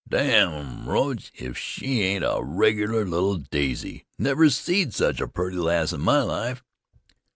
"Damme, Roge, if she ain't a regular little daisy! Never seed such a purty lass in my life."